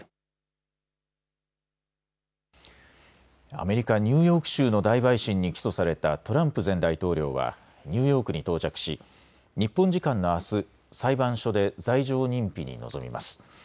アメリカ・ニューヨーク州の大陪審に起訴されたトランプ前大統領はニューヨークに到着し日本時間のあす裁判所で罪状認否に臨みます。